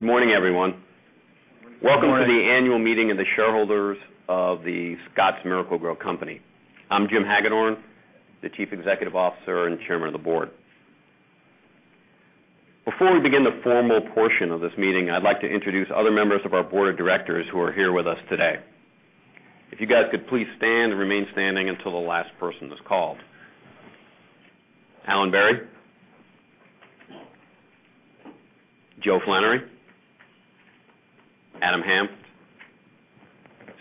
Good morning, everyone. Welcome to The Annual Meeting Of The Shareholders of The ScottsMiracle-Gro Company. I'm Jim Hagedorn, the Chief Executive Officer and Chairman of the Board. Before we begin the formal portion of this meeting, I'd like to introduce other members of our Board of Directors who are here with us today. If you guys could please stand and remain standing until the last person is called. Alan Berry, Joe Flannery, Adam Hanft,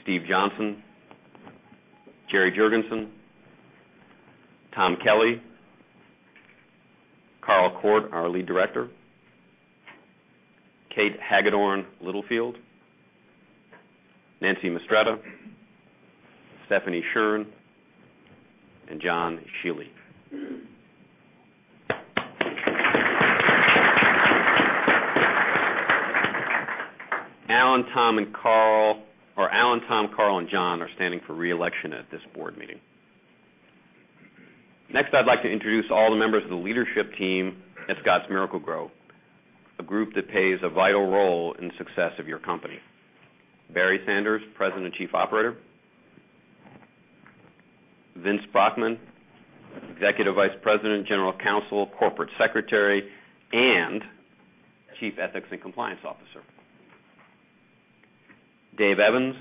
Steve Johnson, Jerry Juergensen, Tom Kelly, Carl Court, our Lead Director, Kate Hagedorn Littlefield, Nancy Mistretta, Stephanie Schern, and John Shiely. Alan, Tom, Carl, and John are standing for reelection at this board meeting. Next, I'd like to introduce all the members of the leadership team at ScottsMiracle-Gro, a group that plays a vital role in the success of your company. Barry Sanders, President and Chief Operator, Vincent Brockman, Executive Vice President, General Counsel, Corporate Secretary, and Chief Ethics and Compliance Officer. Dave Evans,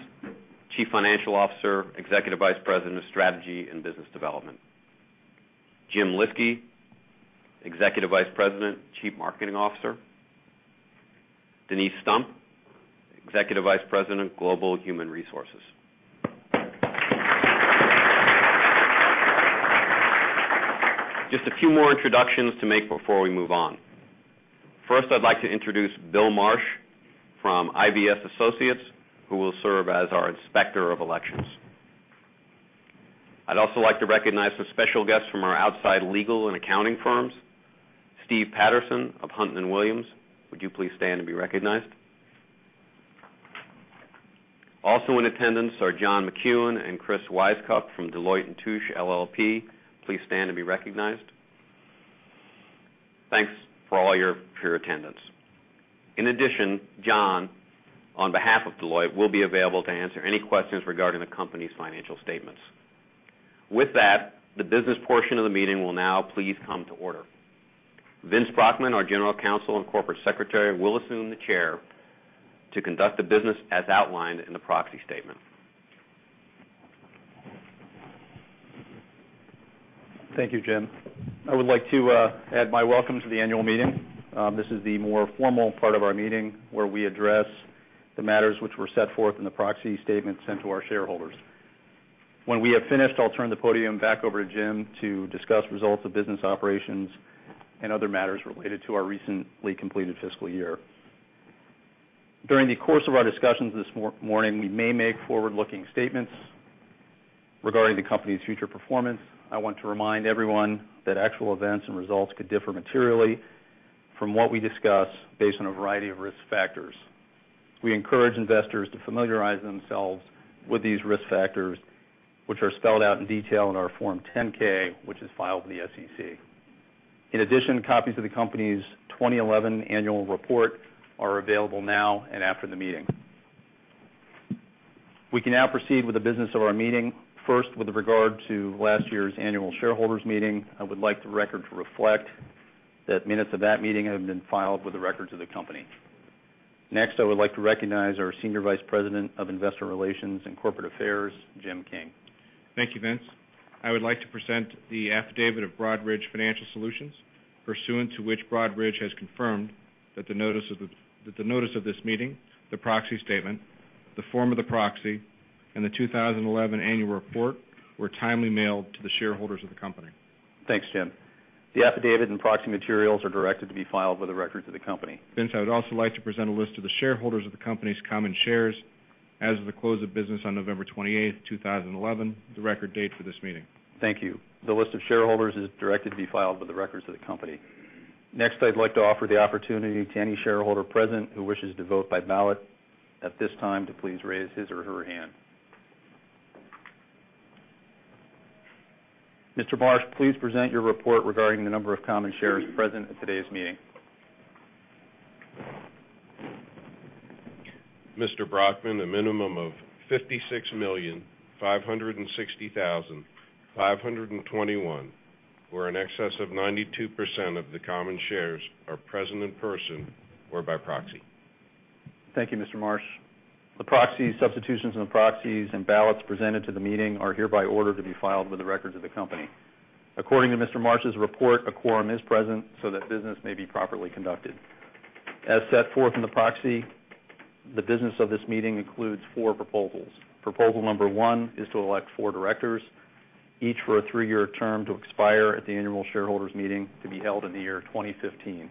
Chief Financial Officer, Executive Vice President of Strategy and Business Development. Jim Lyski, Executive Vice President, Chief Marketing Officer. Denise Stump, Executive Vice President, Global Human Resources. Just a few more introductions to make before we move on. First, I'd like to introduce Bill Marsh from IVS Associates, who will serve as our Inspector of Elections. I'd also like to recognize some special guests from our outside legal and accounting firms. Steve Patterson of Hunt & Williams, would you please stand and be recognized? Also in attendance are John McEwan and Chris Wisecup from Deloitte & Touche LLP. Please stand and be recognized. Thanks for all your attendance. In addition, John, on behalf of Deloitte, will be available to answer any questions regarding the company's financial statements. With that, the business portion of the meeting will now please come to order. Vince Brockman, our General Counsel and Corporate Secretary, will assume the chair to conduct the business as outlined in the proxy statement. Thank you, Jim. I would like to add my welcome to the annual meeting. This is the more formal part of our meeting where we address the matters which were set forth in the proxy statement sent to our shareholders. When we have finished, I'll turn the podium back over to Jim to discuss results of business operations and other matters related to our recently completed fiscal year. During the course of our discussions this morning, we may make forward-looking statements regarding the company's future performance. I want to remind everyone that actual events and results could differ materially from what we discuss based on a variety of risk factors. We encourage investors to familiarize themselves with these risk factors, which are spelled out in detail in our Form 10-K, which is filed with the SEC. In addition, copies of the company's 2011 annual report are available now and after the meeting. We can now proceed with the business of our meeting. First, with regard to last year's annual shareholders' meeting, I would like the record to reflect that minutes of that meeting have been filed with the records of the company. Next, I would like to recognize our Senior Vice President of Investor Relations and Corporate Affairs, Jim King. Thank you, Vince. I would like to present the affidavit of Broadridge Financial Solutions, pursuant to which Broadridge has confirmed that the notice of this meeting, the proxy statement, the form of the proxy, and the 2011 annual report were timely mailed to the shareholders of the company. Thanks, Jim. The affidavit and proxy materials are directed to be filed with the records of the company. Vince, I would also like to present a list of the shareholders of the company's common shares as of the close of business on November 28, 2011, the record date for this meeting. Thank you. The list of shareholders is directed to be filed with the records of the company. Next, I'd like to offer the opportunity to any shareholder present who wishes to vote by ballot at this time to please raise his or her hand. Mr. Marsh, please present your report regarding the number of common shares present at today's meeting. Mr. Brockman, the minimum of 56,560,521, where an excess of 92% of the common shares are present in person or by proxy. Thank you, Mr. Marsh. The proxy substitutions and the proxies and ballots presented to the meeting are hereby ordered to be filed with the records of the company. According to Mr. Marsh's report, a quorum is present so that business may be properly conducted. As set forth in the proxy, the business of this meeting includes four proposals. Proposal number one is to elect four directors, each for a three-year term to expire at the annual shareholders' meeting to be held in the year 2015.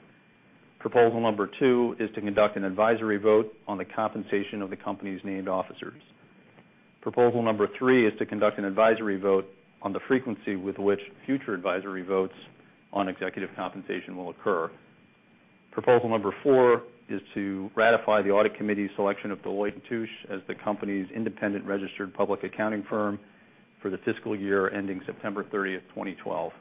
Proposal number two is to conduct an advisory vote on the compensation of the company's named officers. Proposal number three is to conduct an advisory vote on the frequency with which future advisory votes on executive compensation will occur. Proposal number four is to ratify the audit committee's selection of Deloitte & Touche as the company's independent registered public accounting firm for the fiscal year ending September 30th, 2012.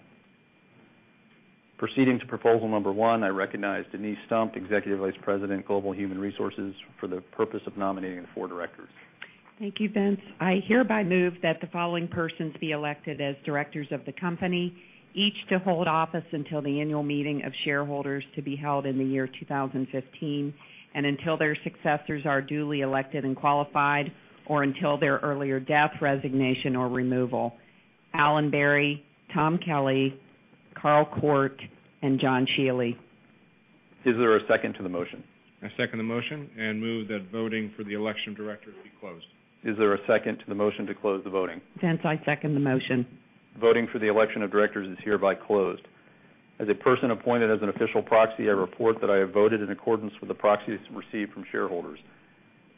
Proceeding to proposal number one, I recognize Denise Stump, Executive Vice President, Global Human Resources, for the purpose of nominating the four directors. Thank you, Vince. I hereby move that the following persons be elected as directors of the company, each to hold office until the annual meeting of shareholders to be held in the year 2015 and until their successors are duly elected and qualified, or until their earlier death, resignation, or removal. Alan Berry, Tom Kelly, Carl Court, and John Shiely. Is there a second to the motion? I second the motion and move that voting for the election of directors be closed. Is there a second to the motion to close the voting? Vince, I second the motion. Voting for the election of directors is hereby closed. As a person appointed as an official proxy, I report that I have voted in accordance with the proxies received from shareholders.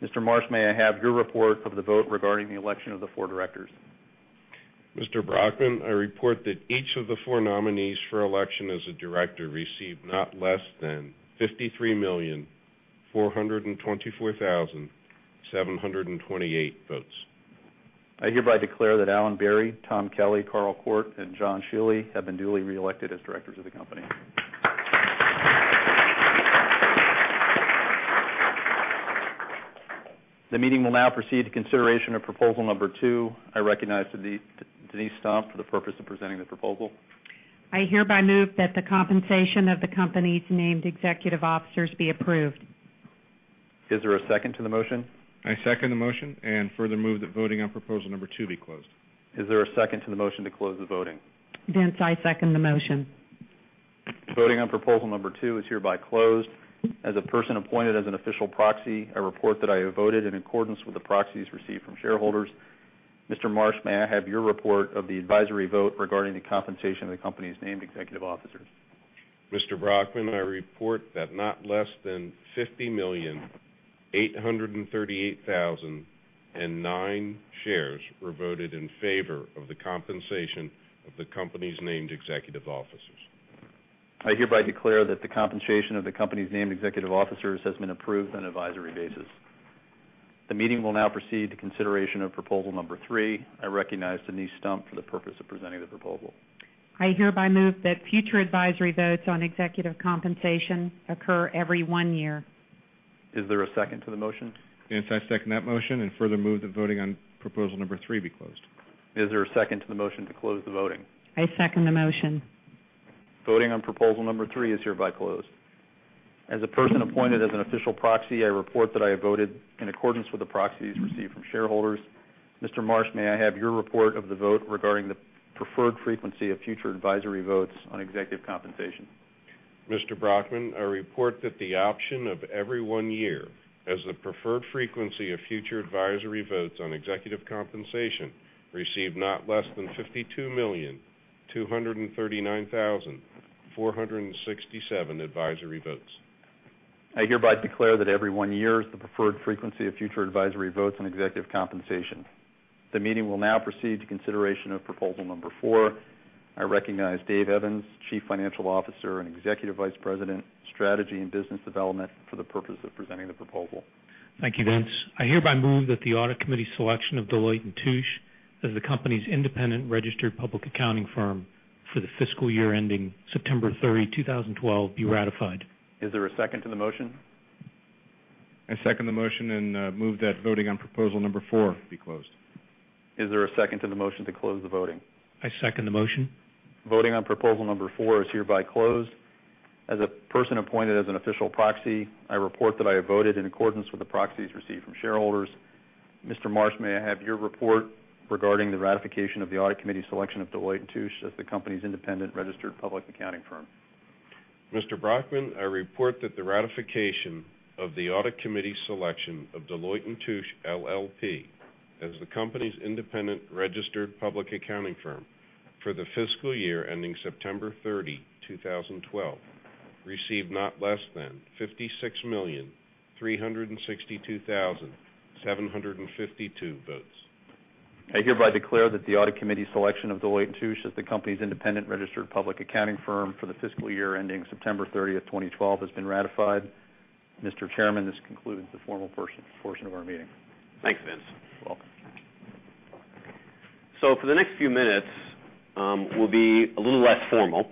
Mr. Marsh, may I have your report of the vote regarding the election of the four directors? Mr. Brockman, I report that each of the four nominees for election as a director received not less than 53,424,728 votes. I hereby declare that Alan Berry, Tom Kelly, Carl Court, and John Shiely have been duly reelected as directors of the company. The meeting will now proceed to consideration of proposal number two. I recognize Denise Stump for the purpose of presenting the proposal. I hereby move that the compensation of the company's named executive officers be approved. Is there a second to the motion? I second the motion, and further move that voting on proposal number two be closed. Is there a second to the motion to close the voting? Vince, I second the motion. Voting on proposal number two is hereby closed. As a person appointed as an official proxy, I report that I have voted in accordance with the proxies received from shareholders. Mr. Marsh, may I have your report of the advisory vote regarding the compensation of the company's named executive officers? Mr. Brockman, I report that not less than 50,838,009 shares were voted in favor of the compensation of the company's named executive officers. I hereby declare that the compensation of the company's named executive officers has been approved on an advisory basis. The meeting will now proceed to consideration of proposal number three. I recognize Denise Stump for the purpose of presenting the proposal. I hereby move that future advisory votes on executive compensation occur every one year. Is there a second to the motion? Yes, I second that motion, and further move the voting on proposal number three be closed. Is there a second to the motion to close the voting? I second the motion. Voting on proposal number three is hereby closed. As a person appointed as an official proxy, I report that I have voted in accordance with the proxies received from shareholders. Mr. Marsh, may I have your report of the vote regarding the preferred frequency of future advisory votes on executive compensation? Mr. Brockman, I report that the option of every one year as the preferred frequency of future advisory votes on executive compensation received not less than 52,239,467 advisory votes. I hereby declare that every one year is the preferred frequency of future advisory votes on executive compensation. The meeting will now proceed to consideration of proposal number four. I recognize Dave Evans, Chief Financial Officer and Executive Vice President, Strategy and Business Development, for the purpose of presenting the proposal. Thank you, Vince. I hereby move that the Audit Committee's selection of Deloitte & Touche as the company's independent registered public accounting firm for the fiscal year ending September 30, 2012, be ratified. Is there a second to the motion? I second the motion and move that voting on proposal number four be closed. Is there a second to the motion to close the voting? I second the motion. Voting on proposal number four is hereby closed. As a person appointed as an official proxy, I report that I have voted in accordance with the proxies received from shareholders. Mr. Marsh, may I have your report regarding the ratification of the Audit Committee's selection of Deloitte & Touche as the company's independent registered public accounting firm? Mr. Brockman, I report that the ratification of the Audit Committee's selection of Deloitte & Touche LLP as the company's independent registered public accounting firm for the fiscal year ending September 30, 2012, received not less than 56,362,752 votes. I hereby declare that the Audit Committee's selection of Deloitte & Touche as the company's independent registered public accounting firm for the fiscal year ending September 30, 2012, has been ratified. Mr. Chairman, this concludes the formal portion of our meeting. Thanks, Vince. For the next few minutes, we'll be a little less formal.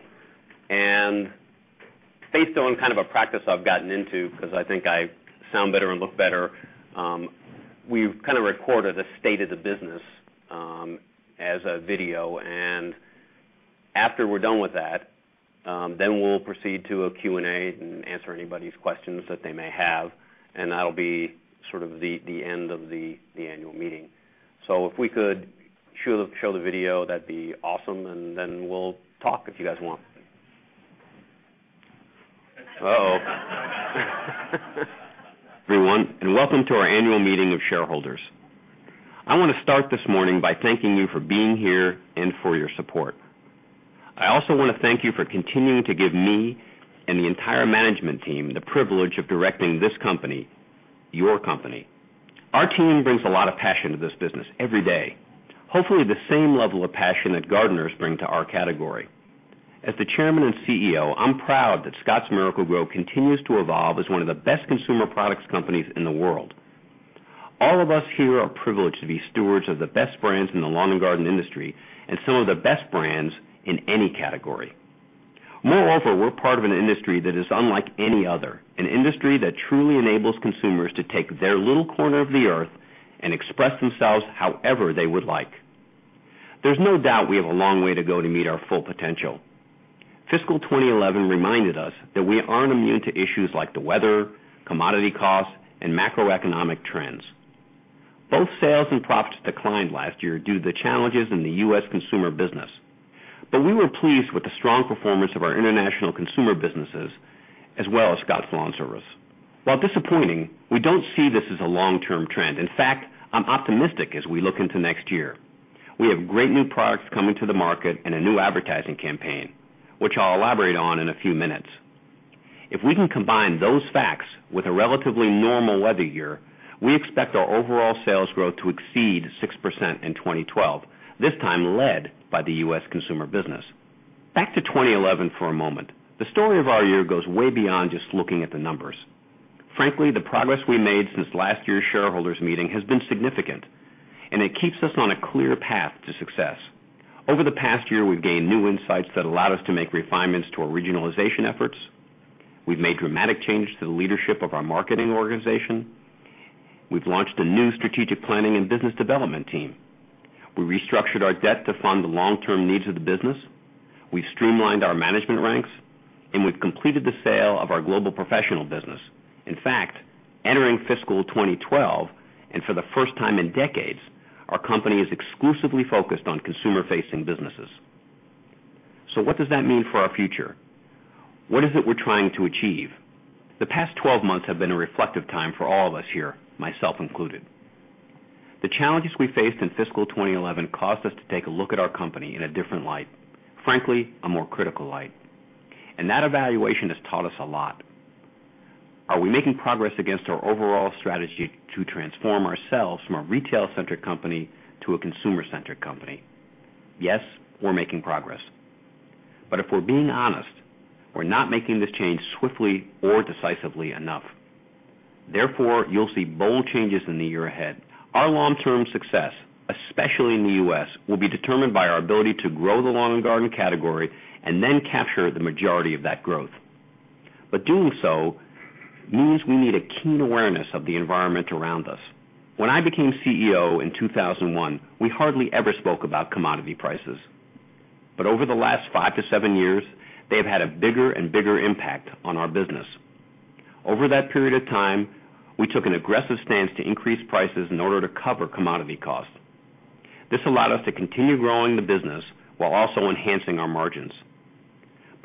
Based on kind of a practice I've gotten into, because I think I sound better and look better, we've kind of recorded the state of the business as a video. After we're done with that, we'll proceed to a Q&A and answer anybody's questions that they may have. That'll be the end of the annual meeting. If we could show the video, that'd be awesome. Then we'll talk if you guys want. Everyone, and welcome to our annual meeting of shareholders. I want to start this morning by thanking you for being here and for your support. I also want to thank you for continuing to give me and the entire management team the privilege of directing this company, your company. Our team brings a lot of passion to this business every day, hopefully the same level of passion that gardeners bring to our category. As the Chairman and CEO, I'm proud that ScottsMiracle-Gro continues to evolve as one of the best consumer products companies in the world. All of us here are privileged to be stewards of the best brands in the lawn and garden industry and some of the best brands in any category. Moreover, we're part of an industry that is unlike any other, an industry that truly enables consumers to take their little corner of the earth and express themselves however they would like. There's no doubt we have a long way to go to meet our full potential. Fiscal 2011 reminded us that we aren't immune to issues like the weather, commodity costs, and macroeconomic trends. Both sales and profits declined last year due to the challenges in the U.S. consumer business. We were pleased with the strong performance of our international consumer businesses, as well as Scotts Lawn Service. While disappointing, we don't see this as a long-term trend. In fact, I'm optimistic as we look into next year. We have great new products coming to the market and a new advertising campaign, which I'll elaborate on in a few minutes. If we can combine those facts with a relatively normal weather year, we expect our overall sales growth to exceed 6% in 2012, this time led by the U.S. consumer business. Back to 2011 for a moment. The story of our year goes way beyond just looking at the numbers. Frankly, the progress we made since last year's shareholders' meeting has been significant, and it keeps us on a clear path to success. Over the past year, we've gained new insights that allowed us to make refinements to our regionalization efforts. We've made dramatic changes to the leadership of our marketing organization. We've launched a new strategic planning and business development team. We restructured our debt to fund the long-term needs of the business. We've streamlined our management ranks, and we've completed the sale of our global professional business. In fact, entering fiscal 2012, and for the first time in decades, our company is exclusively focused on consumer-facing businesses. What does that mean for our future? What is it we're trying to achieve? The past 12 months have been a reflective time for all of us here, myself included. The challenges we faced in fiscal 2011 caused us to take a look at our company in a different light, frankly, a more critical light. That evaluation has taught us a lot. Are we making progress against our overall strategy to transform ourselves from a retail-centric company to a consumer-centric company? Yes, we're making progress. If we're being honest, we're not making this change swiftly or decisively enough. Therefore, you'll see bold changes in the year ahead. Our long-term success, especially in the U.S., will be determined by our ability to grow the lawn and garden category and then capture the majority of that growth. Doing so means we need a keen awareness of the environment around us. When I became CEO in 2001, we hardly ever spoke about commodity prices. Over the last five to seven years, they have had a bigger and bigger impact on our business. Over that period of time, we took an aggressive stance to increase prices in order to cover commodity costs. This allowed us to continue growing the business while also enhancing our margins.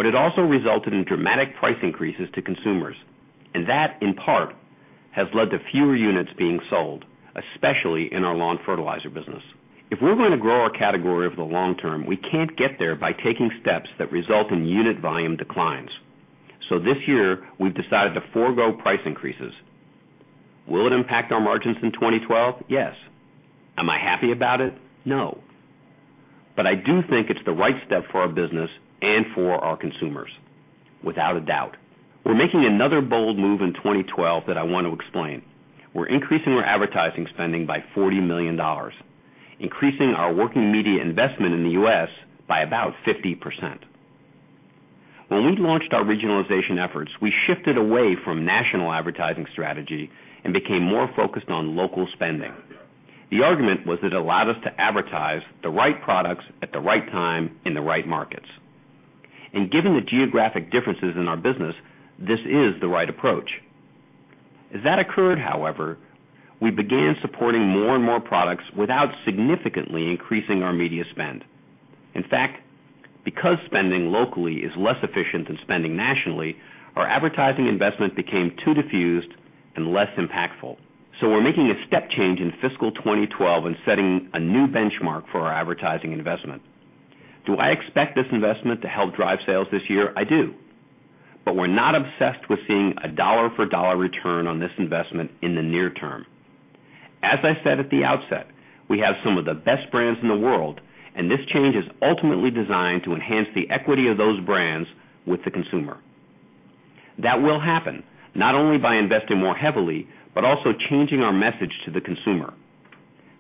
It also resulted in dramatic price increases to consumers. That, in part, has led to fewer units being sold, especially in our lawn fertilizer business. If we're going to grow our category over the long-term, we can't get there by taking steps that result in unit volume declines. This year, we've decided to forego price increases. Will it impact our margins in 2012? Yes. Am I happy about it? No. I do think it's the right step for our business and for our consumers, without a doubt. We're making another bold move in 2012 that I want to explain. We're increasing our advertising spending by $40 million, increasing our working media investment in the U.S. by about 50%. When we launched our regionalization efforts, we shifted away from a national advertising strategy and became more focused on local spending. The argument was that it allowed us to advertise the right products at the right time in the right markets. Given the geographic differences in our business, this is the right approach. As that occurred, however, we began supporting more and more products without significantly increasing our media spend. In fact, because spending locally is less efficient than spending nationally, our advertising investment became too diffused and less impactful. We are making a step change in fiscal 2012 and setting a new benchmark for our advertising investment. Do I expect this investment to help drive sales this year? I do. We are not obsessed with seeing a dollar-for-dollar return on this investment in the near term. As I said at the outset, we have some of the best brands in the world, and this change is ultimately designed to enhance the equity of those brands with the consumer. That will happen not only by investing more heavily, but also changing our message to the consumer.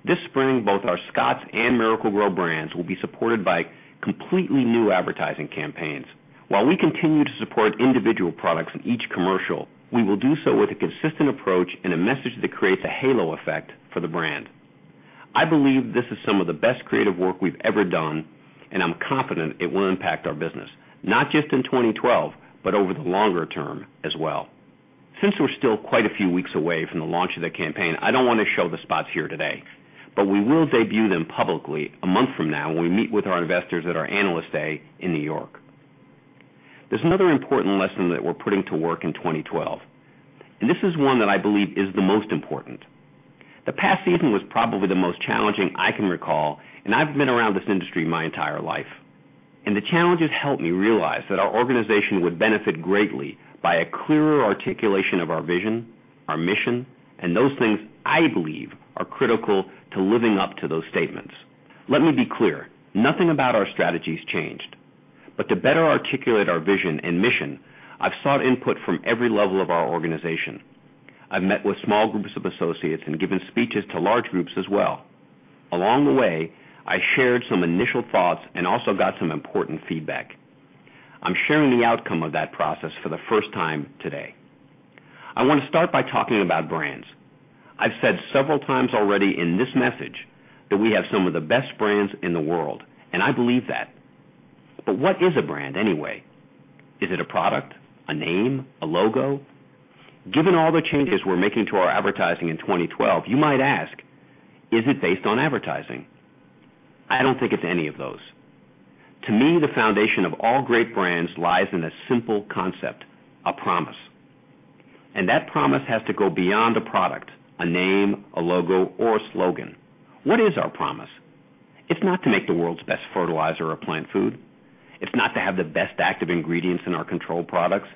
This spring, both our Scotts and Miracle-Gro brands will be supported by completely new advertising campaigns. While we continue to support individual products in each commercial, we will do so with a consistent approach and a message that creates a halo effect for the brand. I believe this is some of the best creative work we've ever done, and I'm confident it will impact our business, not just in 2012, but over the longer term as well. Since we are still quite a few weeks away from the launch of the campaign, I do not want to show the spots here today. We will debut them publicly a month from now when we meet with our investors at our Analyst Day in New York. There is another important lesson that we are putting to work in 2012. This is one that I believe is the most important. The past season was probably the most challenging I can recall, and I have been around this industry my entire life. The challenges helped me realize that our organization would benefit greatly by a clearer articulation of our vision, our mission, and those things I believe are critical to living up to those statements. Let me be clear. Nothing about our strategies changed. To better articulate our vision and mission, I have sought input from every level of our organization. I have met with small groups of associates and given speeches to large groups as well. Along the way, I shared some initial thoughts and also got some important feedback. I am sharing the outcome of that process for the first time today. I want to start by talking about brands. I have said several times already in this message that we have some of the best brands in the world, and I believe that. What is a brand anyway? Is it a product, a name, a logo? Given all the changes we're making to our advertising in 2012, you might ask, is it based on advertising? I don't think it's any of those. To me, the foundation of all great brands lies in a simple concept, a promise. That promise has to go beyond a product, a name, a logo, or a slogan. What is our promise? It's not to make the world's best fertilizer or plant food. It's not to have the best active ingredients in our controlled products.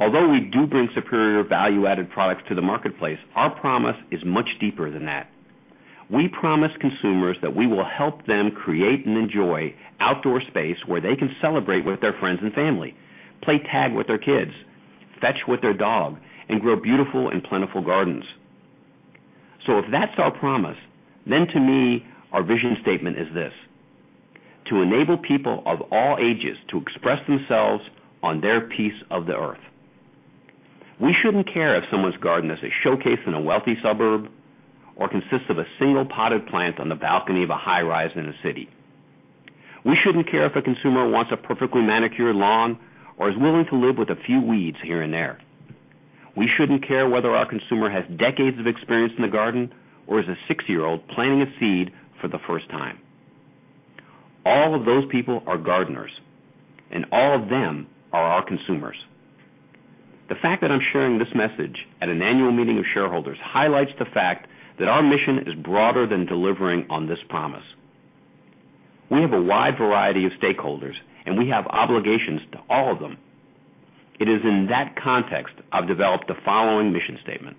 No. Although we do bring superior value-added products to the marketplace, our promise is much deeper than that. We promise consumers that we will help them create and enjoy outdoor space where they can celebrate with their friends and family, play tag with their kids, fetch with their dog, and grow beautiful and plentiful gardens. If that's our promise, then to me, our vision statement is this: to enable people of all ages to express themselves on their piece of the earth. We shouldn't care if someone's garden is a showcase in a wealthy suburb or consists of a single potted plant on the balcony of a high rise in the city. We shouldn't care if a consumer wants a perfectly manicured lawn or is willing to live with a few weeds here and there. We shouldn't care whether our consumer has decades of experience in the garden or is a six-year-old planting a seed for the first time. All of those people are gardeners, and all of them are our consumers. The fact that I'm sharing this message at an annual meeting of shareholders highlights the fact that our mission is broader than delivering on this promise. We have a wide variety of stakeholders, and we have obligations to all of them. It is in that context I've developed the following mission statement.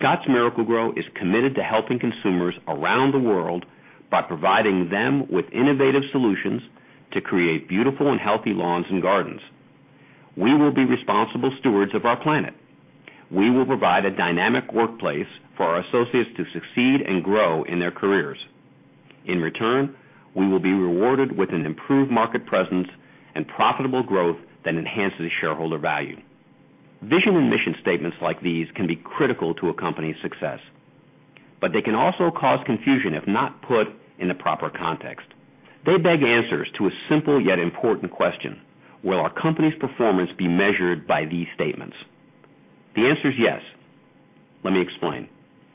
ScottsMiracle-Gro is committed to helping consumers around the world by providing them with innovative solutions to create beautiful and healthy lawns and gardens. We will be responsible stewards of our planet. We will provide a dynamic workplace for our associates to succeed and grow in their careers. In return, we will be rewarded with an improved market presence and profitable growth that enhances shareholder value. Vision and mission statements like these can be critical to a company's success. They can also cause confusion if not put in the proper context. They beg answers to a simple yet important question: will our company's performance be measured by these statements? The answer is yes. Let me explain.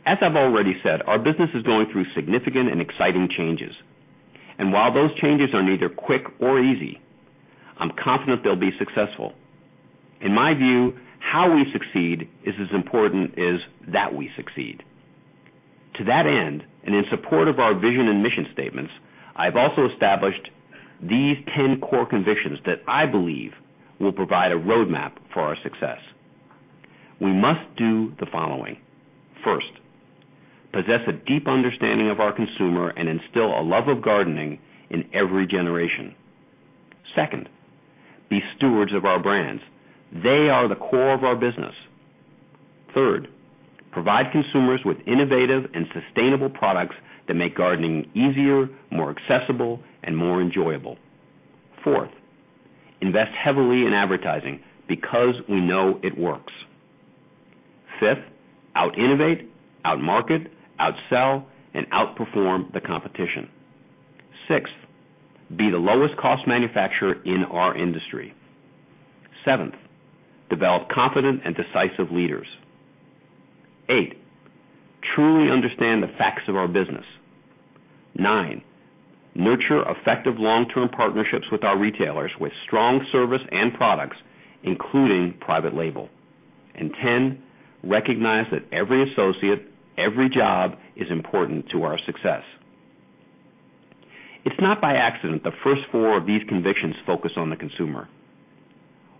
As I've already said, our business is going through significant and exciting changes. While those changes are neither quick nor easy, I'm confident they'll be successful. In my view, how we succeed is as important as that we succeed. To that end, and in support of our vision and mission statements, I've also established these 10 core convictions that I believe will provide a roadmap for our success. We must do the following. First, possess a deep understanding of our consumer and instill a love of gardening in every generation. Second, be stewards of our brands. They are the core of our business. Third, provide consumers with innovative and sustainable products that make gardening easier, more accessible, and more enjoyable. Fourth, invest heavily in advertising because we know it works. Fifth, out innovate, out market, outsell, and outperform the competition. Sixth, be the lowest cost manufacturer in our industry. Seventh, develop confident and decisive leaders. Eighth, truly understand the facts of our business. Ninth, nurture effective long-term partnerships with our retailers with strong service and products, including private label. Tenth, recognize that every associate, every job is important to our success. It's not by accident the first four of these convictions focus on the consumer.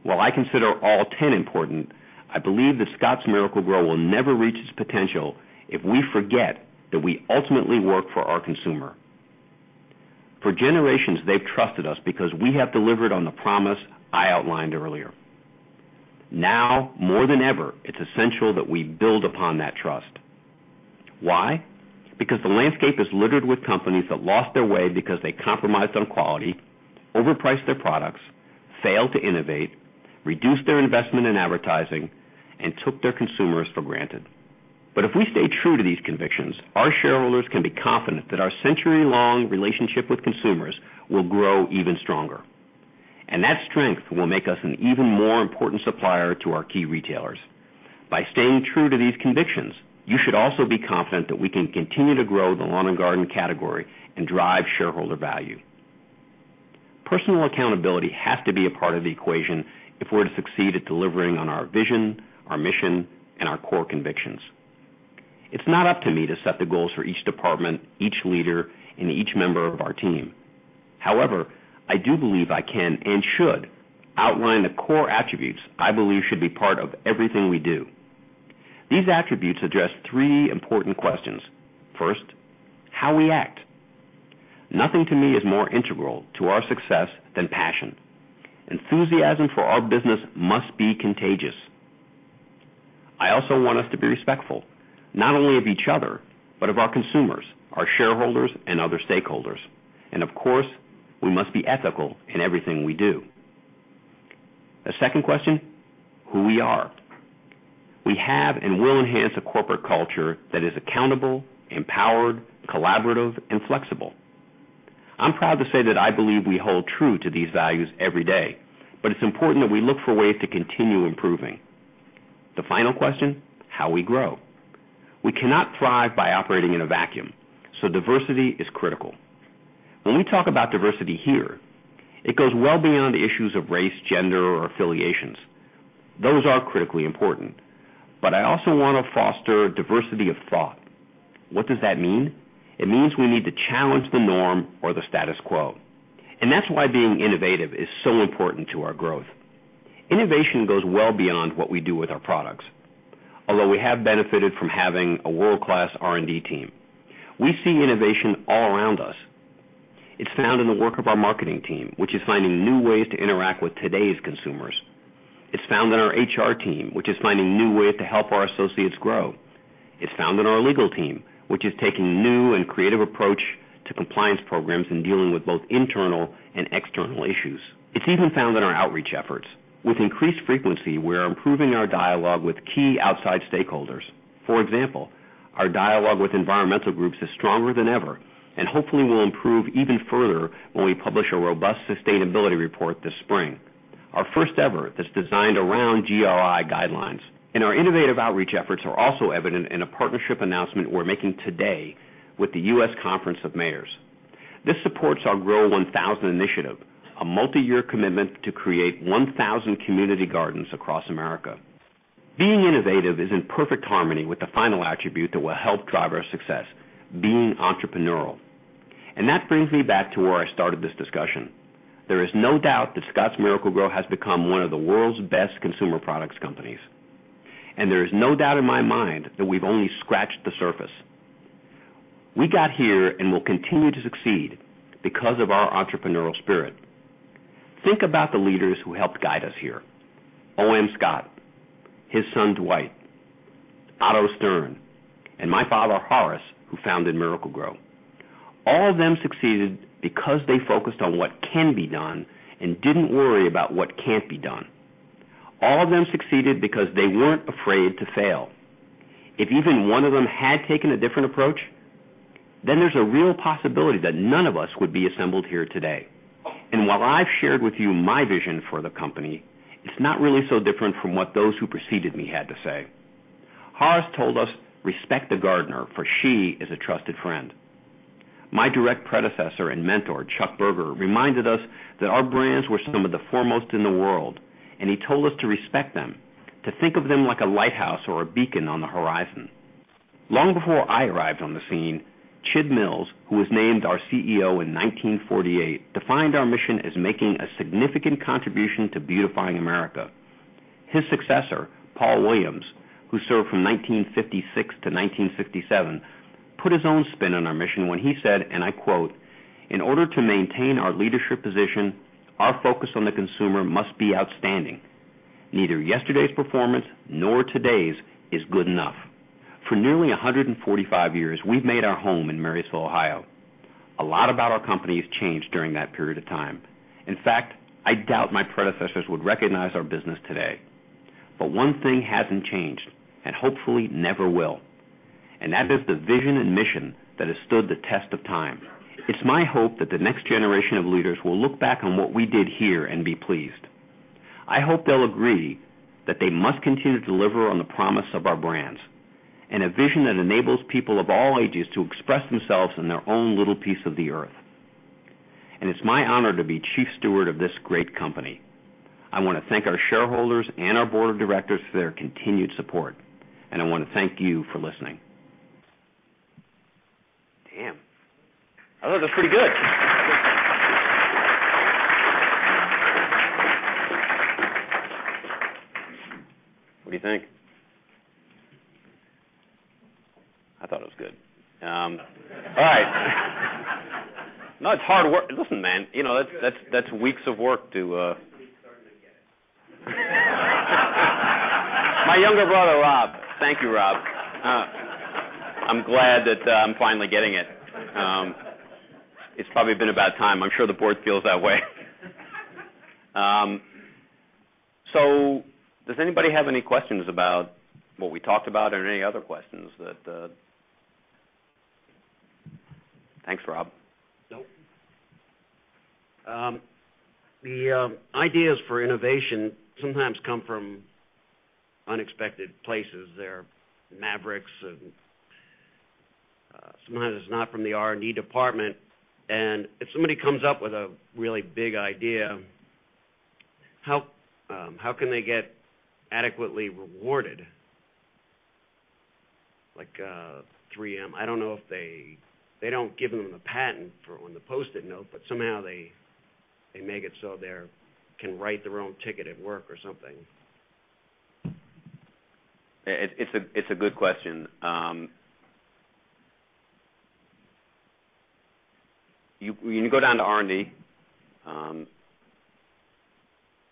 While I consider all 10 important, I believe that ScottsMiracle-Gro will never reach its potential if we forget that we ultimately work for our consumer. For generations, they've trusted us because we have delivered on the promise I outlined earlier. Now, more than ever, it's essential that we build upon that trust. Why? The landscape is littered with companies that lost their way because they compromised on quality, overpriced their products, failed to innovate, reduced their investment in advertising, and took their consumers for granted. If we stay true to these convictions, our shareholders can be confident that our century-long relationship with consumers will grow even stronger. That strength will make us an even more important supplier to our key retailers. By staying true to these convictions, you should also be confident that we can continue to grow the lawn and garden category and drive shareholder value. Personal accountability has to be a part of the equation if we're to succeed at delivering on our vision, our mission, and our core convictions. It's not up to me to set the goals for each department, each leader, and each member of our team. However, I do believe I can and should outline the core attributes I believe should be part of everything we do. These attributes suggest three important questions. First, how we act. Nothing to me is more integral to our success than passion. Enthusiasm for our business must be contagious. I also want us to be respectful, not only of each other, but of our consumers, our shareholders, and other stakeholders. Of course, we must be ethical in everything we do. A second question, who we are. We have and will enhance a corporate culture that is accountable, empowered, collaborative, and flexible. I'm proud to say that I believe we hold true to these values every day, but it's important that we look for ways to continue improving. The final question, how we grow? We cannot thrive by operating in a vacuum, so diversity is critical. When we talk about diversity here, it goes well beyond the issues of race, gender, or affiliations. Those are critically important. I also want to foster a diversity of thought. What does that mean? It means we need to challenge the norm or the status quo. That's why being innovative is so important to our growth. Innovation goes well beyond what we do with our products. Although we have benefited from having a world-class R&D team, we see innovation all around us. It's found in the work of our marketing team, which is finding new ways to interact with today's consumers. It's found in our HR team, which is finding new ways to help our associates grow. It's found in our legal team, which is taking a new and creative approach to compliance programs and dealing with both internal and external issues. It's even found in our outreach efforts. With increased frequency, we are improving our dialogue with key outside stakeholders. For example, our dialogue with environmental groups is stronger than ever, and hopefully will improve even further when we publish a robust sustainability report this spring. Our first ever that's designed around GRI guidelines. Our innovative outreach efforts are also evident in a partnership announcement we're making today with the U.S. Conference of Mayors. This supports our Grow 1000 initiative, a multi-year commitment to create 1,000 community gardens across America. Being innovative is in perfect harmony with the final attribute that will help drive our success, being entrepreneurial. That brings me back to where I started this discussion. There is no doubt that ScottsMiracle-Gro has become one of the world's best consumer products companies. There is no doubt in my mind that we've only scratched the surface. We got here and will continue to succeed because of our entrepreneurial spirit. Think about the leaders who helped guide us here: Owen Scott, his son Dwight, Otto Stern, and my father Horace, who founded Miracle-Gro. All of them succeeded because they focused on what can be done and did not worry about what cannot be done. All of them succeeded because they were not afraid to fail. If even one of them had taken a different approach, there is a real possibility that none of us would be assembled here today. While I've shared with you my vision for the company, it is not really so different from what those who preceded me had to say. Horace told us, "Respect the gardener, for she is a trusted friend." My direct predecessor and mentor, Chuck Berger, reminded us that our brands were some of the foremost in the world, and he told us to respect them, to think of them like a lighthouse or a beacon on the horizon. Long before I arrived on the scene, Chid Mills, who was named our CEO in 1948, defined our mission as making a significant contribution to beautifying America. His successor, Paul Williams, who served from 1956 to 1967, put his own spin on our mission when he said, and I quote, "In order to maintain our leadership position, our focus on the consumer must be outstanding. Neither yesterday's performance nor today's is good enough." For nearly 145 years, we've made our home in Marysville, Ohio. A lot about our company has changed during that period of time. In fact, I doubt my predecessors would recognize our business today. One thing has not changed, and hopefully never will. That is the vision and mission that has stood the test of time. It is my hope that the next generation of leaders will look back on what we did here and be pleased. I hope they will agree that they must continue to deliver on the promise of our brands, and a vision that enables people of all ages to express themselves in their own little piece of the earth. It is my honor to be chief steward of this great company. I want to thank our shareholders and our Board of Directors for their continued support. I want to thank you for listening. Damn. I thought that was pretty good. What do you think? I thought it was good. All right. No, it's hard work. Listen, man. You know that's weeks of work too. My younger brother, Rob. Thank you, Rob. I'm glad that I'm finally getting it. It's probably been a bad time. I'm sure the Board feels that way. Does anybody have any questions about what we talked about or any other questions? Thanks, Rob. Nope. The ideas for innovation sometimes come from unexpected places. They're mavericks, and sometimes it's not from the R&D department. If somebody comes up with a really big idea, how can they get adequately rewarded? Like 3M, I don't know if they don't give them the patent on the Post-it Note, but somehow they make it so they can write their own ticket at work or something. It's a good question. When you go down to R&D,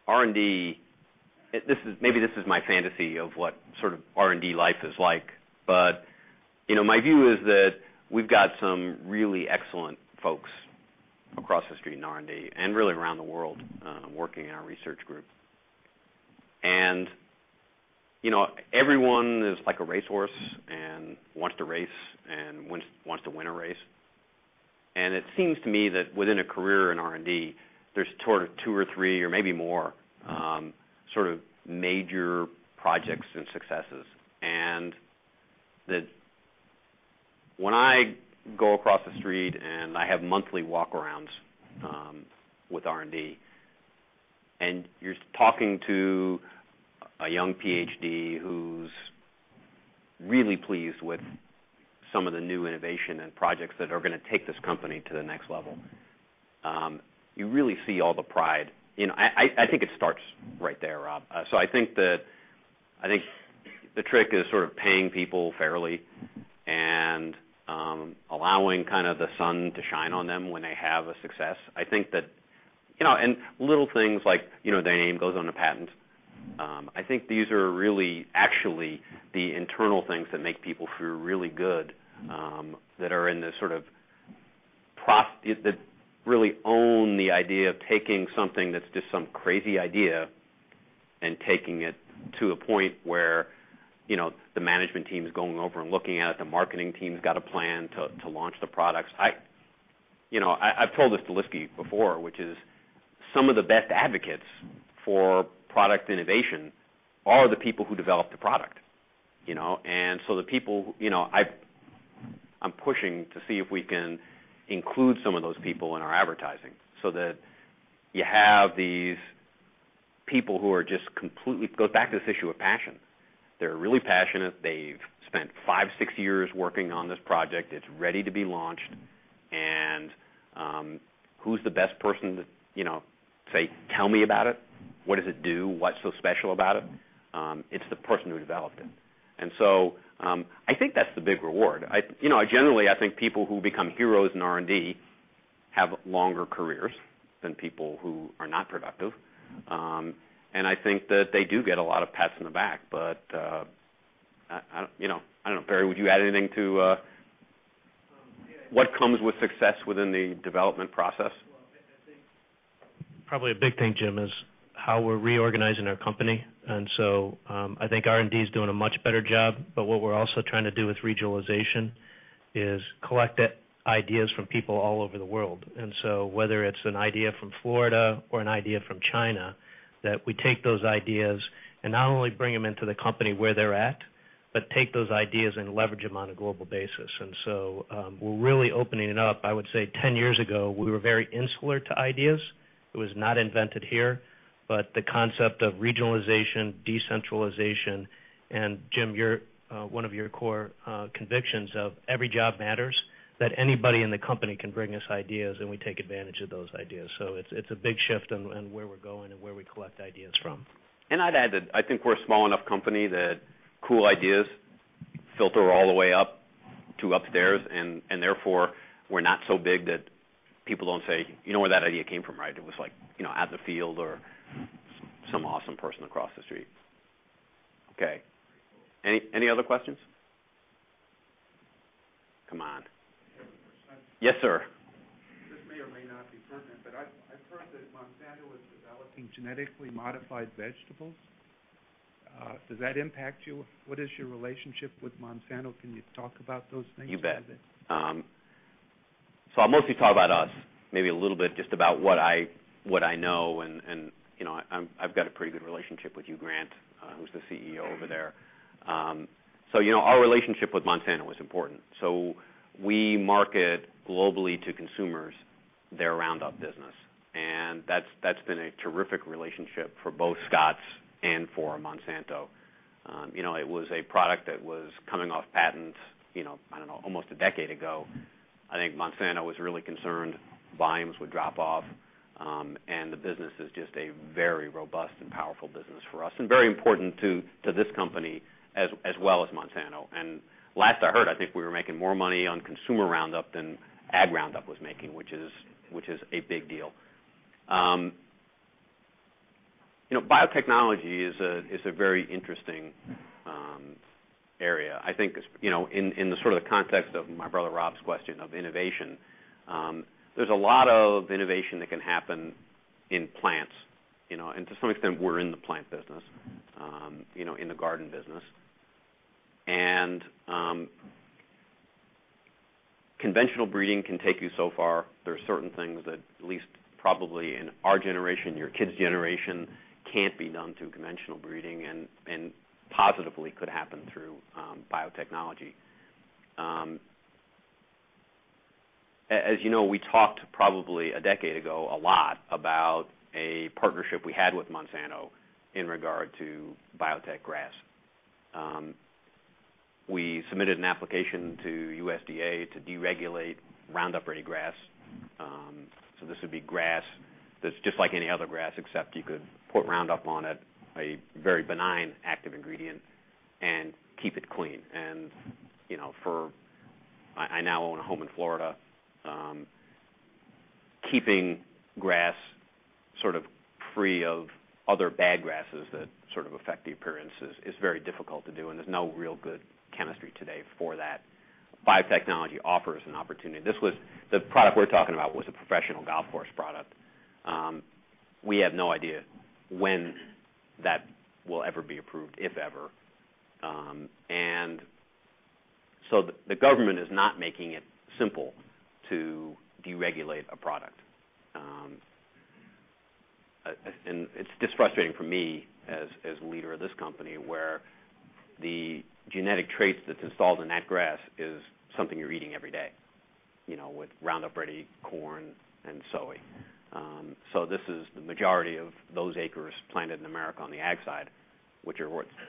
R&D, maybe this is my fantasy of what sort of R&D life is like. My view is that we've got some really excellent folks across history in R&D and really around the world working in our research group. Everyone is like a racehorse and wants to race and wants to win a race. It seems to me that within a career in R&D, there's sort of two or three or maybe more major projects and successes. When I go across the street and I have monthly walk-arounds with R&D, and you're talking to a young PhD who's really pleased with some of the new innovation and projects that are going to take this company to the next level, you really see all the pride. I think it starts right there, Rob. I think the trick is sort of paying people fairly and allowing kind of the sun to shine on them when they have a success. Little things like their name goes on a patent. I think these are really actually the internal things that make people feel really good that are in the sort of that really own the idea of taking something that's just some crazy idea and taking it to a point where the management team's going over and looking at it. The marketing team's got a plan to launch the products. I've told this to Lyski before, which is some of the best advocates for product innovation are the people who develop the product. The people, I'm pushing to see if we can include some of those people in our advertising so that you have these people who just completely go back to this issue of passion. They're really passionate. They've spent five, six years working on this project. It's ready to be launched. Who's the best person to say, tell me about it? What does it do? What's so special about it? It's the person who developed it. I think that's the big reward. I generally, I think people who become heroes in R&D have longer careers than people who are not productive. I think that they do get a lot of pats on the back. Barry, would you add anything to what comes with success within the development process? Probably a big thing, Jim, is how we're reorganizing our company. I think R&D is doing a much better job. What we're also trying to do with regionalization is collect ideas from people all over the world. Whether it's an idea from Florida or an idea from China, we take those ideas and not only bring them into the company where they're at, but take those ideas and leverage them on a global basis. We're really opening it up. I would say 10 years ago, we were very insular to ideas. It was not invented here. The concept of regionalization, decentralization, and Jim, one of your core convictions of every job matters, that anybody in the company can bring us ideas and we take advantage of those ideas. It's a big shift on where we're going and where we collect ideas from. I think we're a small enough company that cool ideas filter all the way up to upstairs. Therefore, we're not so big that people don't say, you know where that idea came from, right? It was like, you know, out in the field or some awesome person across the street. Okay. Any other questions? Come on. Yes, sir. This may or may not be pertinent, but I've heard that Monsanto is developing genetically modified vegetables. Does that impact you? What is your relationship with Monsanto? Can you talk about those things? You bet. I'll mostly talk about us, maybe a little bit just about what I know. I've got a pretty good relationship with you, Grant, who's the CEO over there. Our relationship with Monsanto is important. We market globally to consumers their Roundup business, and that's been a terrific relationship for both Scotts and for Monsanto. It was a product that was coming off patents, I don't know, almost a decade ago. I think Monsanto was really concerned volumes would drop off. The business is just a very robust and powerful business for us and very important to this company as well as Monsanto. Last I heard, I think we were making more money on consumer Roundup than Ag Roundup was making, which is a big deal. Biotechnology is a very interesting area. In the context of my brother Rob's question of innovation, there's a lot of innovation that can happen in plants. To some extent, we're in the plant business, in the garden business. Conventional breeding can take you so far. There are certain things that at least probably in our generation, your kids' generation, can't be done through conventional breeding and positively could happen through biotechnology. As you know, we talked probably a decade ago a lot about a partnership we had with Monsanto in regard to biotech grass. We submitted an application to USDA to deregulate Roundup-ready grass. This would be grass that's just like any other grass, except you could put Roundup on it, a very benign active ingredient, and keep it clean. I now own a home in Florida. Keeping grass sort of free of other bad grasses that affect the appearance is very difficult to do, and there's no real good chemistry today for that. Biotechnology offers an opportunity. The product we're talking about was a professional golf course product. We have no idea when that will ever be approved, if ever. The government is not making it simple to deregulate a product. It's just frustrating for me as a leader of this company where the genetic traits that's installed in that grass is something you're eating every day, with Roundup-ready corn and soy. This is the majority of those acres planted in America on the ag side, which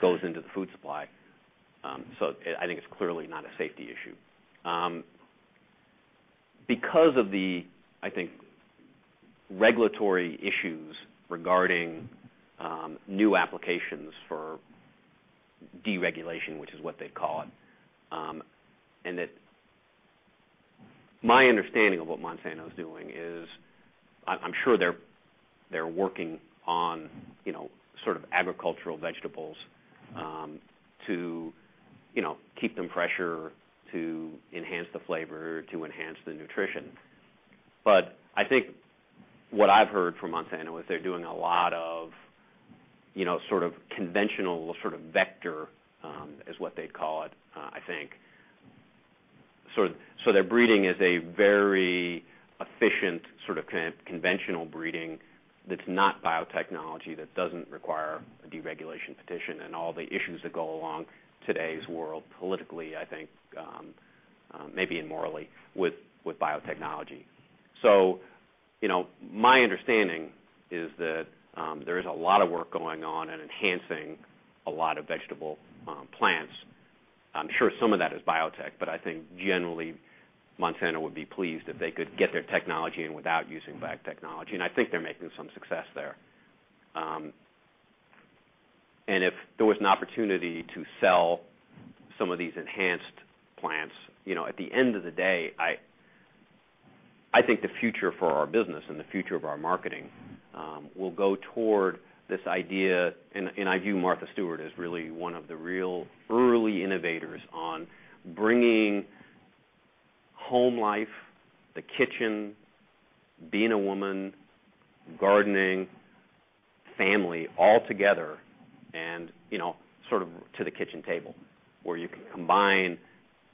goes into the food supply. I think it's clearly not a safety issue. Because of the, I think, regulatory issues regarding new applications for deregulation, which is what they've called, and that my understanding of what Monsanto is doing is I'm sure they're working on, you know, sort of agricultural vegetables to, you know, keep them fresher, to enhance the flavor, to enhance the nutrition. I think what I've heard from Monsanto is they're doing a lot of, you know, sort of conventional sort of vector, is what they'd call it, I think. Their breeding is a very efficient sort of conventional breeding that's not biotechnology, that doesn't require a deregulation petition, and all the issues that go along in today's world politically, I think, maybe and morally with biotechnology. My understanding is that there's a lot of work going on in enhancing a lot of vegetable plants. I'm sure some of that is biotech, but I think generally, Monsanto would be pleased if they could get their technology in without using biotechnology. I think they're making some success there. If there was an opportunity to sell some of these enhanced plants, at the end of the day, I think the future for our business and the future of our marketing will go toward this idea. I view Martha Stewart as really one of the real early innovators on bringing home life, the kitchen, being a woman, gardening, family, all together, and, you know, sort of to the kitchen table, where you can combine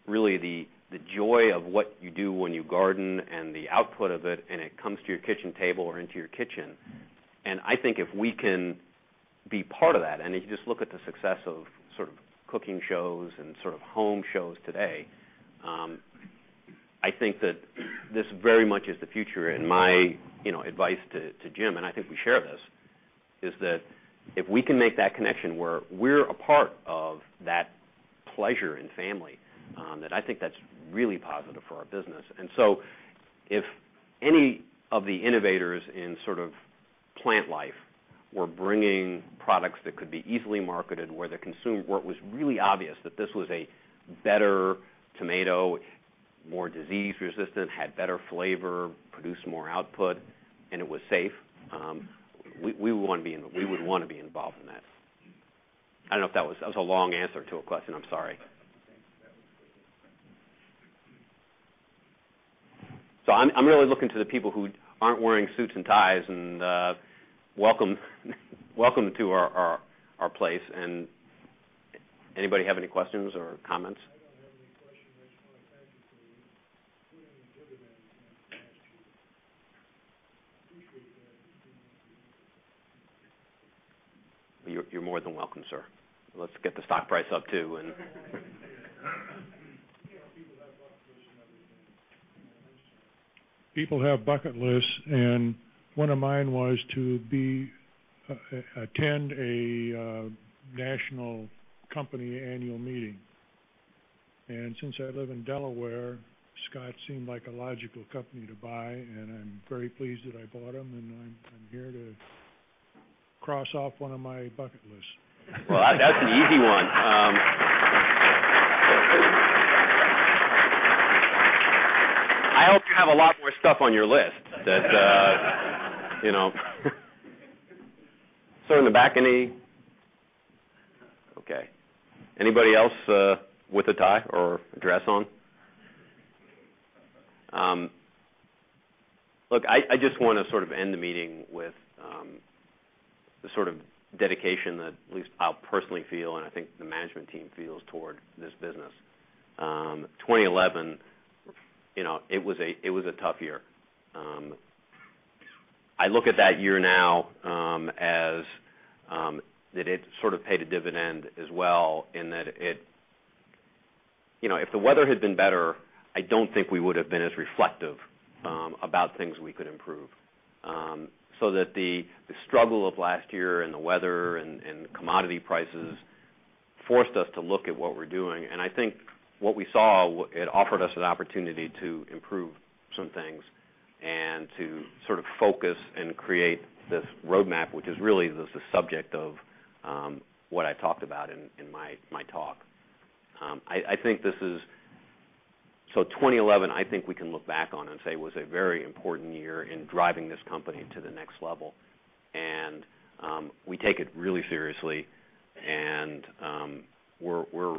really the joy of what you do when you garden and the output of it, and it comes to your kitchen table or into your kitchen. I think if we can be part of that, and if you just look at the success of sort of cooking shows and sort of home shows today, I think that this very much is the future. My, you know, advice to Jim, and I think we share this, is that if we can make that connection where we're a part of that pleasure in family, that I think that's really positive for our business. If any of the innovators in sort of plant life were bringing products that could be easily marketed where the consumer, where it was really obvious that this was a better tomato, more disease-resistant, had better flavor, produced more output, and it was safe, we would want to be involved in that. I don't know if that was a long answer to a question. I'm sorry. I'm really looking to the people who aren't wearing suits and ties and welcome to our place. Anybody have any questions or comments? You're more than welcome, sir. Let's get the stock price up too. People have bucket lists, and one of mine was to attend a National Company Annual Meeting. Since I live in Delaware, Scotts seemed like a logical company to buy, and I'm very pleased that I bought them, and I'm here to cross off one of my bucket lists. That's an easy one. I hope you have a lot more stuff on your list. Sitting in the back of me. Okay. Anybody else with a tie or a dress on? Look, I just want to sort of end the meeting with the sort of dedication that at least I personally feel, and I think the management team feels toward this business. 2011, you know, it was a tough year. I look at that year now as that it sort of paid a dividend as well in that it, you know, if the weather had been better, I don't think we would have been as reflective about things we could improve. The struggle of last year and the weather and commodity prices forced us to look at what we're doing. I think what we saw, it offered us an opportunity to improve some things and to sort of focus and create this roadmap, which is really the subject of what I talked about in my talk. I think this is, so 2011, I think we can look back on and say it was a very important year in driving this company to the next level. We take it really seriously. We're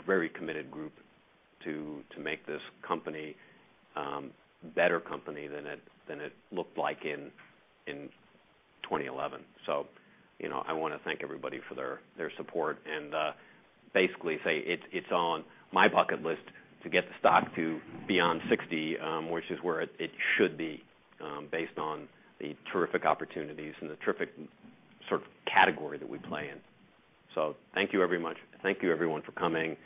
a very committed group to make this company a better company than it looked like in 2011. I want to thank everybody for their support and basically say it's on my bucket list to get the stock to beyond $60, which is where it should be based on the terrific opportunities and the terrific sort of category that we play in. Thank you very much. Thank you everyone for coming.